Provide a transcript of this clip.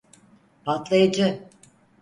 Patlayıcı…